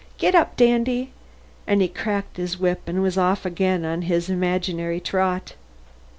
Get up, Dandy!" and he cracked his whip and was off again on his imaginary trot.